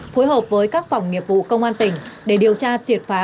phối hợp với các phòng nghiệp vụ công an tỉnh để điều tra triệt phá